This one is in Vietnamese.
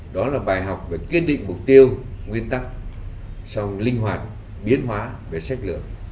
đó là bài học về kiên định mục tiêu nguyên tắc song linh hoạt biến hóa về sách lượng